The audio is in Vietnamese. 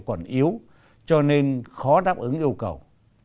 còn yếu cho nên khó đáp ứng yêu cầu